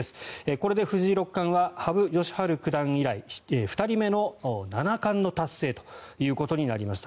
これで藤井六冠は羽生善治九段以来２人目の七冠の達成ということになりました。